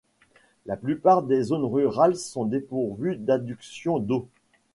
La plupart des zones rurales sont dépourvues d'adduction d'eau.